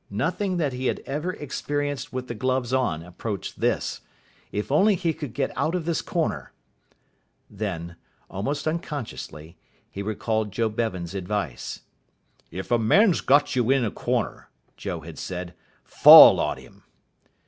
Nothing that he had ever experienced with the gloves on approached this. If only he could get out of this corner. Then, almost unconsciously, he recalled Joe Bevan's advice. "If a man's got you in a corner," Joe had said, "fall on him."